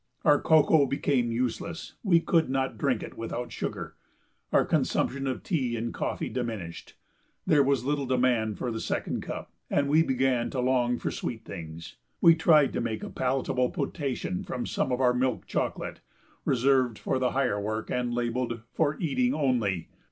Our cocoa became useless we could not drink it without sugar; our consumption of tea and coffee diminished there was little demand for the second cup. And we all began to long for sweet things. We tried to make a palatable potation from some of our milk chocolate, reserved for the higher work and labelled, "For eating only."